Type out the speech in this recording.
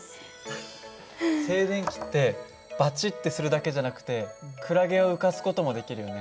静電気ってバチッてするだけじゃなくてクラゲを浮かす事もできるよね。